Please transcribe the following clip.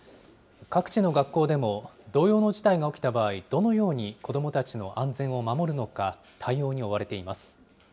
各地の学校でも、同様の事態が起きた場合、どのように子どもたちの安全を守るのか、対応に追われています。